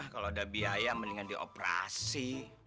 kalau ada biaya mendingan dioperasi